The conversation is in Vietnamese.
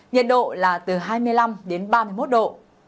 nhiệt độ là từ hai mươi năm đến ba mươi một độ